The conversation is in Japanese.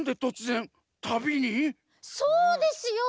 そうですよ！